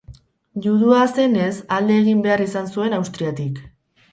Judua zenez, alde egin behar izan zuen Austriatik.